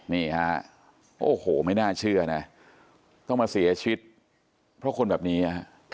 นี่ฮะโอ้โหไม่น่าเชื่อนะต้องมาเสียชีวิตเพราะคนแบบนี้